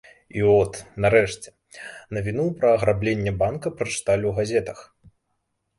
І от, нарэшце, навіну пра аграбленне банка прачыталі ў газетах.